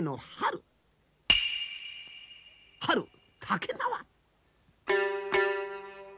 春たけなわ。